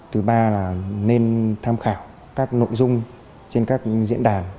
thứ ba là nên tham khảo các nội dung trên các diễn đàn